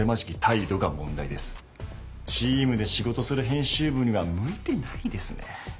チームで仕事する編集部には向いてないですね。